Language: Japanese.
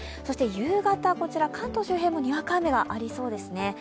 夕方、関東周辺もにわか雨がありそうですね。